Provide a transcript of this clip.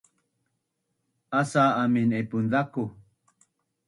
Asa’u amin naipun zaku